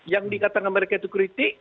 yang dikatakan mereka itu kritik